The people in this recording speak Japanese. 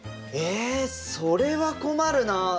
えっそれは困るな。